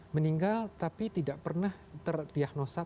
meninggal tapi tidak pernah terdiagnosa